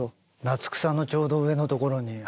夏草のちょうど上のところに。